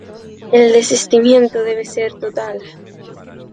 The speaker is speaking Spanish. El desistimiento debe ser total.